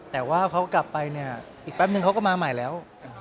แต่ว่าเขากลับไปเนี่ยอีกแป๊บนึงเขาก็มาใหม่แล้ว